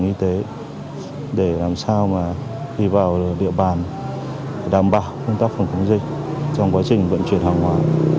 bộ y tế để làm sao mà đi vào địa bàn đảm bảo công tác phòng khống dịch trong quá trình vận chuyển hàng hoa